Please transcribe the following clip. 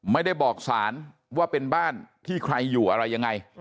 ไม่ได้บอกสารว่าเป็นบ้านที่ใครอยู่อะไรยังไง